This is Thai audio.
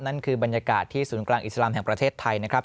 นั่นคือบรรยากาศที่ศูนย์กลางอิสลามแห่งประเทศไทยนะครับ